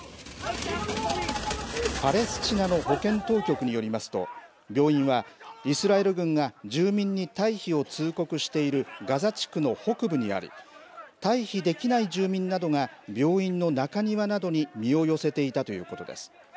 パレスチナの保健当局によりますと、病院は、イスラエル軍が住民に退避を通告しているガザ地区の北部にあり、退避できない住民などが病院の中庭などに身を寄せていたということです。